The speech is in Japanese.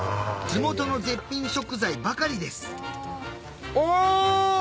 地元の絶品食材ばかりですお！